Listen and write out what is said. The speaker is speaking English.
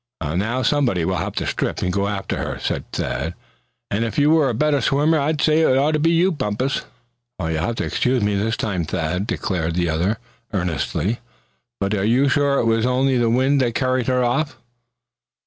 "Now somebody will have to strip and go after her," said Thad. "And if you were a better swimmer, I'd say it ought to be you, Bumpus." "You'll have to excuse me this time, Thad," declared the other, earnestly. "But are you sure it was only the wind that carried her off?"